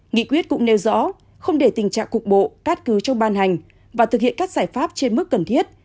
nghị quyết cũng nêu rõ không để tình trạng cục bộ cắt cứu trong ban hành và thực hiện các giải pháp trên mức cần thiết